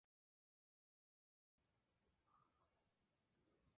Las elecciones autonómicas son convocadas por el presidente de La Rioja.